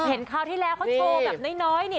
คราวที่แล้วเขาโชว์แบบน้อยนี่